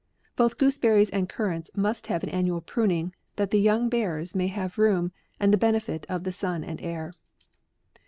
Both gooseberries and currants must have an annual pruning, that the young bearers may have room, and the benefit of the sun and air.